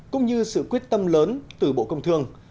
cũng như sự quyết tâm lớn từ bộ công thương